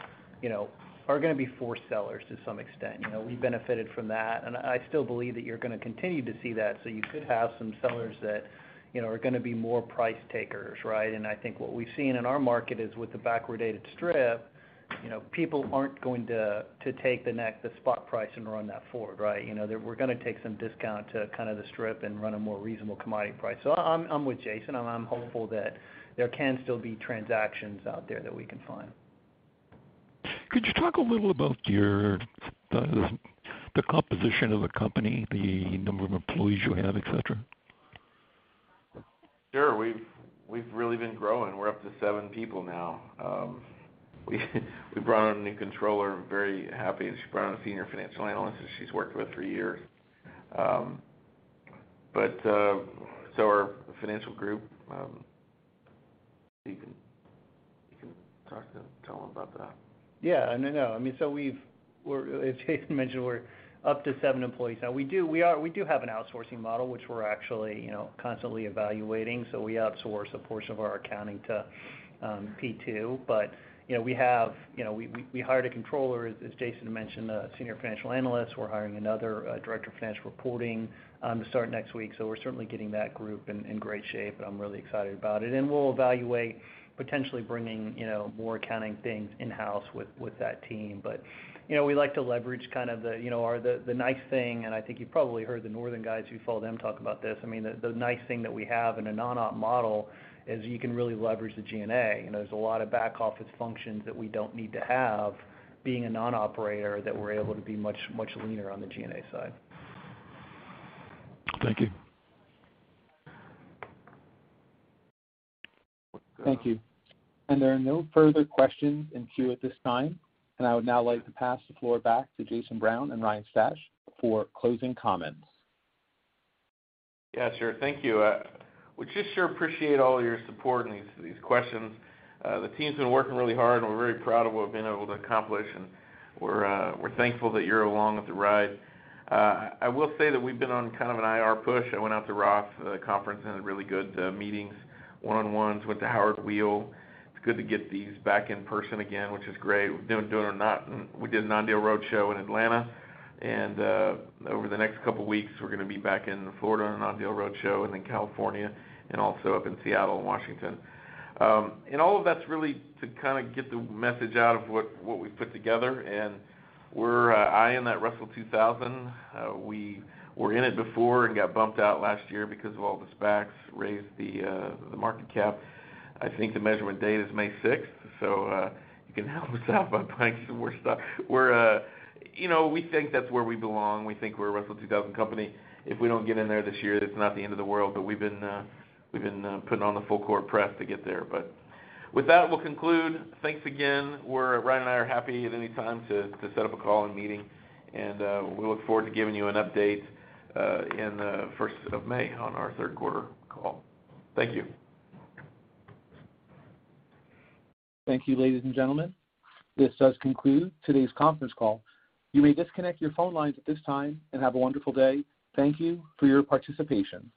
you know, are gonna be forced sellers to some extent. You know, we benefited from that, and I still believe that you're gonna continue to see that. You could have some sellers that, you know, are gonna be more price takers, right? And I think what we've seen in our market is with the backwardated strip, you know, people aren't going to take the spot price and run that forward, right? You know, they were gonna take some discount to kind of the strip and run a more reasonable commodity price. I'm with Jason, and I'm hopeful that there can still be transactions out there that we can find. Could you talk a little about the composition of the company, the number of employees you have, et cetera? Sure. We've really been growing. We're up to seven people now. We brought on a new controller, very happy. She brought on a senior financial analyst, and she's worked with three years. Our financial group, you can talk to, tell him about that. Yeah, no. I mean, as Jason mentioned, we're up to seven employees now. We have an outsourcing model, which we're actually you know constantly evaluating, so we outsource a portion of our accounting to P2. You know, we hired a controller, as Jason mentioned, a senior financial analyst. We're hiring another director of financial reporting to start next week, so we're certainly getting that group in great shape, and I'm really excited about it. We'll evaluate potentially bringing you know more accounting things in-house with that team. You know, we like to leverage the nice thing, and I think you probably heard the Northern guys if you followed them talk about this. I mean, the nice thing that we have in a non-op model is you can really leverage the G&A. You know, there's a lot of back office functions that we don't need to have being a non-operator, that we're able to be much, much leaner on the G&A side. Thank you. Well. Thank you. There are no further questions in queue at this time. I would now like to pass the floor back to Jason Brown and Ryan Stash for closing comments. Yeah, sure. Thank you. We just sure appreciate all your support and these questions. The team's been working really hard, and we're very proud of what we've been able to accomplish, and we're thankful that you're along with the ride. I will say that we've been on kind of an IR push. I went out to ROTH Conference and had really good meetings, one-on-ones with the Howard Weil. It's good to get these back in person again, which is great. We did a non-deal roadshow in Atlanta, and over the next couple weeks, we're gonna be back in Florida on a non-deal roadshow and in California and also up in Seattle and Washington. All of that's really to kinda get the message out of what we've put together. We're eyeing that Russell 2000. We were in it before and got bumped out last year because of all the SPACs, raised the market cap. I think the measurement date is May 6, so you can help us out by buying some more stock. We're, you know, we think that's where we belong. We think we're a Russell 2000 company. If we don't get in there this year, that's not the end of the world, but we've been putting on the full court press to get there. With that, we'll conclude. Thanks again. Ryan and I are happy at any time to set up a call and meeting, and we look forward to giving you an update in May 1 on our third quarter call. Thank you. Thank you, ladies and gentlemen. This does conclude today's conference call. You may disconnect your phone lines at this time and have a wonderful day. Thank you for your participation.